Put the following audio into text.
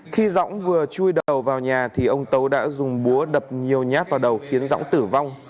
khi dõng vừa chui đầu vào nhà thì ông tấu đã dùng búa đập nhiều nhát vào đầu khiến dõng tử vong